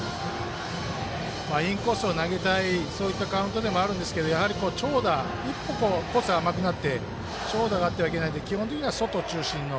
インコースを投げたいそういったカウントでもあるんですけどやはり長打、１個コース甘くなって長打があってはいけないので基本的には外中心の。